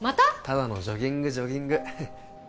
ただのジョギングジョギング